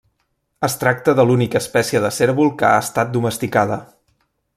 Es tracta de l'única espècie de cérvol que ha estat domesticada.